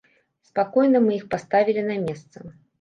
Спакойна мы іх паставілі на месца.